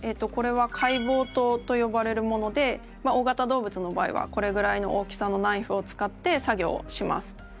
これは解剖刀と呼ばれるもので大型動物の場合はこれぐらいの大きさのナイフを使って作業をします。